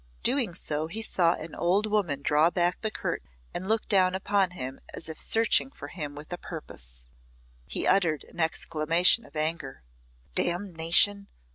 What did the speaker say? Doing so he saw an old woman draw back the curtain and look down upon him as if searching for him with a purpose. He uttered an exclamation of anger. "Damnation!